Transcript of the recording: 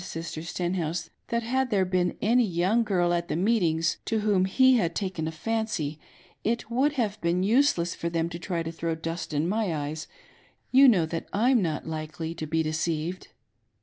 Sister StenhouSe, that had there been any young girl at the meetings, to whom he had taken a fancy, it would have been useless for them to try to throw dust in my eyes — you know that /';« not likely to be deceived.'"